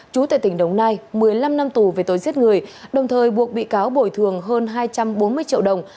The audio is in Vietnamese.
chú tại tỉnh đồng nai một mươi năm năm tù về tội giết người đồng thời buộc bị cáo bồi thường hơn hai trăm bốn mươi triệu đồng